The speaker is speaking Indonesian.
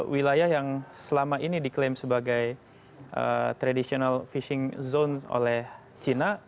wilayah yang selama ini diklaim sebagai traditional fishing zone oleh china